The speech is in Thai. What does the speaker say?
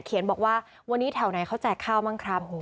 บอกว่าวันนี้แถวไหนเขาแจกข้าวบ้างครับ